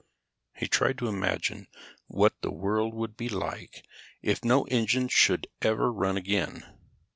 He tried to imagine what the world would be like if no engine should ever run again.